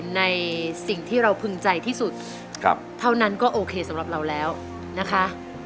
ในสิ่งที่เราพึงใจที่สุดเท่านั้นก็โอเคสำหรับเราแล้วนะคะ